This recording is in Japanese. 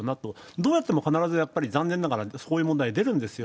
どうやっても必ずやっぱり、残念ながらこういう問題出るんですよ。